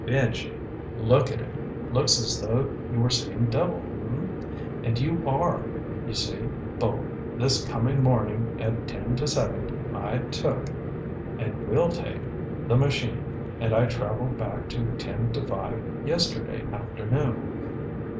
"Benji " "Look at it. Looks as though you were seeing double, hm m? And you are. You see, Bull, this coming morning at ten to seven, I took and will take the machine and I traveled back to ten to five yesterday afternoon.